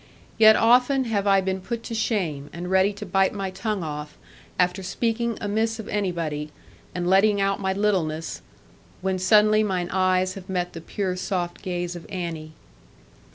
Yet often have I been put to shame, and ready to bite my tongue off, after speaking amiss of anybody, and letting out my littleness, when suddenly mine eyes have met the pure soft gaze of Annie.